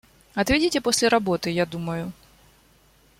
Отведите после работы, я думаю.